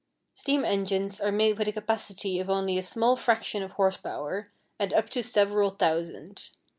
Steam engines are made with a capacity of only a small fraction of horse power, and up to several thousand.